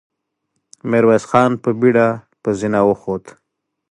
ميرويس خان په بېړه پر زينو وخوت.